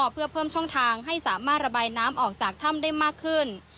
เพื่อเพิ่มช่องทางให้สามารถระบายน้ำออกจากถ้ำได้มากขึ้น